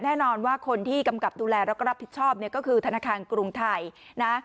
แน่นอนว่าคนที่กำกับดูแลแล้วก็รับผิดชอบเนี่ยก็คือธนาคารกรุงไทยนะ